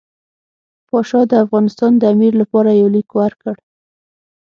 پاشا د افغانستان د امیر لپاره یو لیک ورکړ.